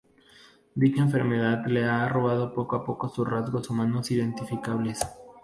Dicha enfermedad le ha robado poco a poco sus rasgos humanos identificables.